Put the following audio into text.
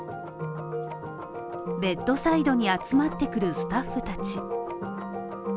ベッドサイドに集まってくるスタッフたち。